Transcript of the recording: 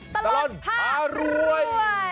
ตลอดพารวย